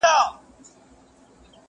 په خپل ژوند کي په کلونو